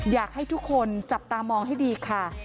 อยากให้ทุกคนจับตามองให้ดีค่ะ